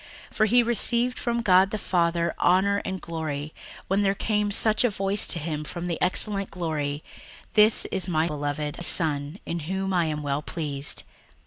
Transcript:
61:001:017 For he received from God the Father honour and glory, when there came such a voice to him from the excellent glory, This is my beloved Son, in whom I am well pleased.